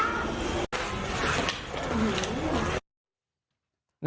ทุกคน